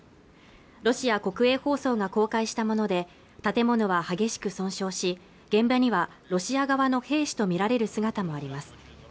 ロシア国営放送が公開したもので建物は激しく損傷し現場にはロシア側の兵士と見られる姿もあります